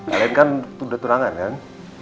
kalian kan tunda turangan kan